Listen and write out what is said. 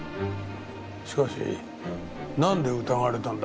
しかしなんで疑われたんだ？